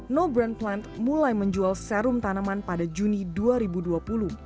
no brand plant mulai menjual serum tanaman di indonesia